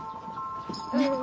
うん。